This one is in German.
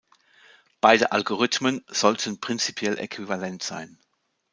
Beide Algorithmen sollten prinzipiell äquivalent sein.